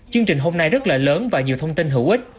chương trình hôm nay rất là lớn và nhiều thông tin hữu ích